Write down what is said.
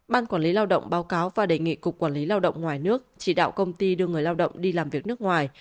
ban quản lý lao động báo cáo và đề nghị cục quản lý lao động ngoài nước chỉ đạo công ty đưa người lao động đi làm việc nước ngoài